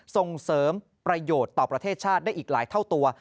ส่งเสริมประโยชน์ต่อประเทศชาติได้อีกหลายเท่าตัว